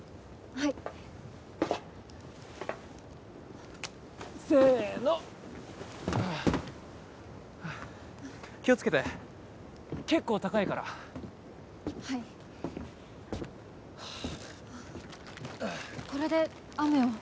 はいせの気をつけて結構高いからはいこれで雨を？